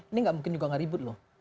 ini nggak mungkin juga nggak ribut loh